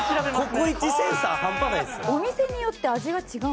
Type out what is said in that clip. ココイチセンサー半端ないんですよ。